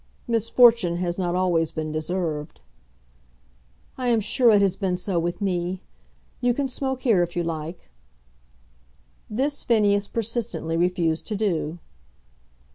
"Misfortune has not always been deserved." "I am sure it has been so with me. You can smoke here if you like." This Phineas persistently refused to do.